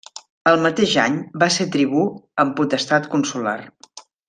El mateix any va ser tribú amb potestat consolar.